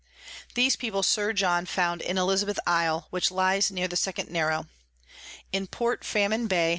These People Sir John found in Elizabeth Isle, which lies near the second Narrow. In Port Famine Bay, S.